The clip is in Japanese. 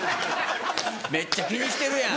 めっちゃ気にしてるやん。